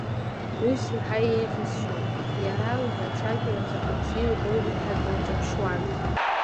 Ус иаҳа еиӷьасшьоит, иара лара, ацәажәара заҟа бзиа илбозеи ҳәа, дылҿаԥшуан.